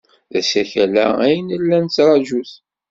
D asakal-a ay nella nettṛaju-t.